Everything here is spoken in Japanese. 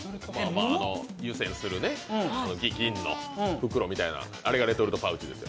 湯せんする袋みたいな、あれがレトルトパウチですよ。